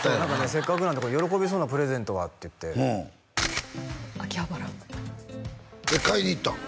せっかくなんで喜びそうなプレゼントは？って言って秋葉原買いに行ったん？